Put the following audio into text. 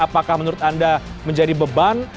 apakah menurut anda menjadi beban